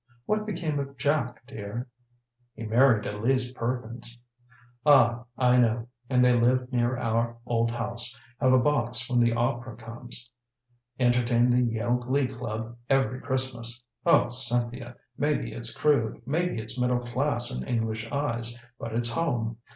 What became of Jack, dear?" "He married Elise Perkins." "Ah I know and they live near our old house have a box when the opera comes entertain the Yale glee club every Christmas oh, Cynthia, maybe it's crude, maybe it's middle class in English eyes but it's home!